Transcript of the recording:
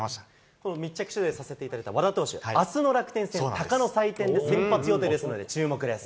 この密着取材させたいただいた和田投手、あすの楽天戦、鷹の祭典で先発予定ですので、注目です。